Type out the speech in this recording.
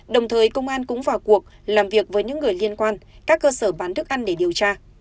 đồng thời công an cũng vào cuộc làm việc với những người liên quan các cơ sở bán thức ăn để điều tra